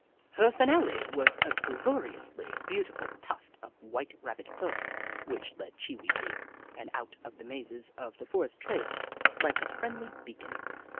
Her finale was a glor iously beautiful tuft of white Rabbit fur, which led Chee Wee in and out of the mazes of the forest trails like a friendly beacon.